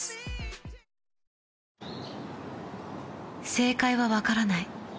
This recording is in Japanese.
正解はわからない。